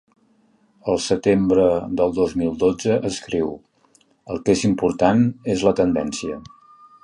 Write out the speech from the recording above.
El setembre del dos mil dotze escriu: El que és important és la tendència.